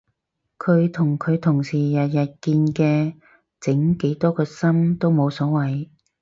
佢同佢同事日日見嘅整幾多個心都冇所謂